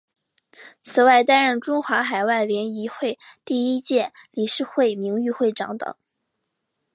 此外担任中华海外联谊会第一届理事会名誉会长等。